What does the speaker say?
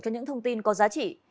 cho những thông tin có giá trị